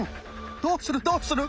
どうするどうする？